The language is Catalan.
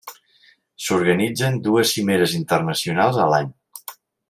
S’organitzen dues cimeres internacionals a l’any.